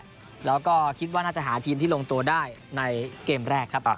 แล้วก็คิดว่าน่าจะหาทีมที่ลงตัวได้ในเกมแรกครับ